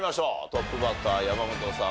トップバッター山本さん